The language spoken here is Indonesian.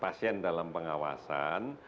pasien dalam pengawasan